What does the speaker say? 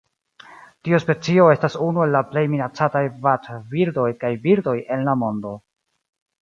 Tiu specio estas unu el la plej minacataj vadbirdoj kaj birdoj en la mondo.